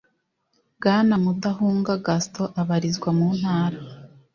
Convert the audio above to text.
bwana mudahunga gaston abarizwa muntara.